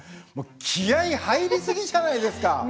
もう気合い入り過ぎじゃないですか？